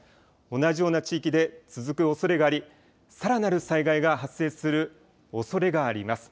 同じような地域で続くおそれがあり、さらなる災害が発生するおそれがあります。